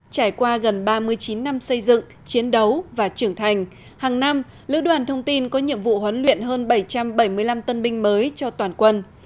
trải qua gần ba mươi chín năm xây dựng chiến đấu và trưởng thành hàng năm lữ đoàn thông tin có nhiệm vụ huấn luyện hơn bảy trăm bảy mươi năm tân binh mới cho toàn quân